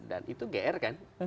dan itu gr kan